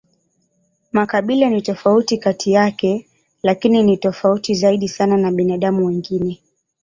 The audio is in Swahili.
Makabila ni tofauti kati yake, lakini ni tofauti zaidi sana na binadamu wengine.